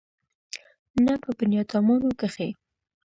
نه په بنيادامانو کښې.